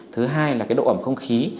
thứ hai là độ ẩm không khí